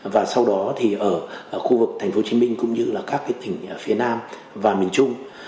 và sau đó thì ở khu vực thành phố hồ chí minh cũng như là các cái thỉnh phía nam và miền trung